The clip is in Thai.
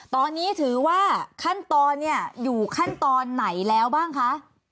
ตอนนี้ถือว่าขั้นตอนเนี่ยอยู่ขั้นตอนไหนแล้วบ้างคะ